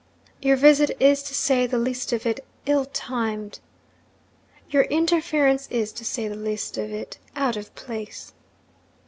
'Your visit is, to say the least of it, ill timed.' 'Your interference is, to say the least of it, out of place.'